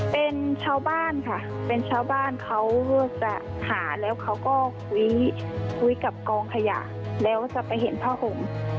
เป็นชาวบ้านค่ะเป็นชาวบ้านเขาจะหาแล้วเขาก็คุยกับกองขยะแล้วจะไปเห็นผ้าห่ม